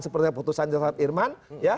seperti putusan jatat irman